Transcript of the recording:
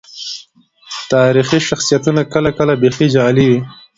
تاريخي شخصيتونه کله کله بيخي جعلي وي.